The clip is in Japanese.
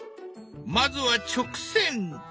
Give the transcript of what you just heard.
まずは直線。